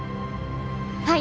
はい！